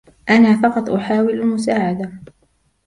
أنا فقط أحاول المساعدة.